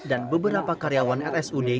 dan beberapa karyawan rsud